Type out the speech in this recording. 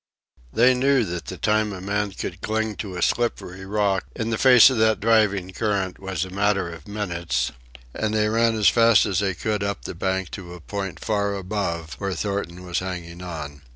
They knew that the time a man could cling to a slippery rock in the face of that driving current was a matter of minutes, and they ran as fast as they could up the bank to a point far above where Thornton was hanging on.